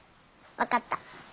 分かった。